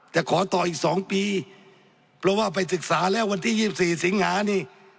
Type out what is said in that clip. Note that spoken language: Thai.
ขอต่ออีก๒ปีเพราะว่าไปศึกษาแล้ววันที่๒๔สิงหานี่